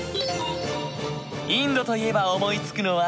インドと言えば思いつくのは？